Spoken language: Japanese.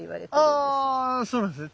あそうなんですね。